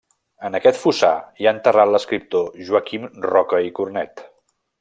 En aquest fossar hi ha enterrat l'escriptor Joaquim Roca i Cornet.